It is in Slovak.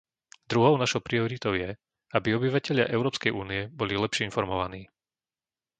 Druhou našou prioritou je, aby obyvatelia Európskej únie boli lepšie informovaní.